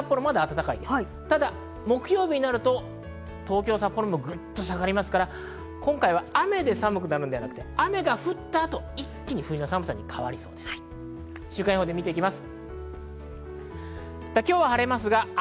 木曜日になると東京、札幌もぐっと下がりますから、今回は雨で寒くなるのではなく、雨が降った後、一気に冬の寒さに変わるということです。